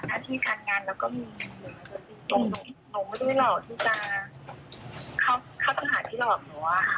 หน้าที่การงานเราก็มีหนูไม่ได้รอบที่จะเข้าทางหาที่รอบหนูค่ะ